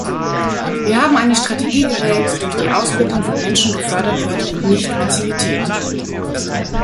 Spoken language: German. Wir haben eine Strategie gewählt, durch die Ausbildung von Menschen gefördert wird, nicht Passivität.